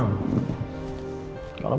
aku harus berhati hati